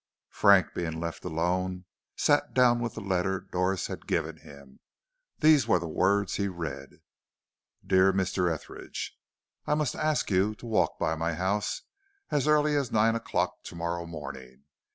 Frank, being left alone, sat down with the letter Doris had given him. These are the words he read: "DEAR MR. ETHERIDGE: "I must ask you to walk by my house as early as nine o'clock to morrow morning.